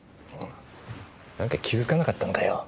何か気づかなかったのかよ？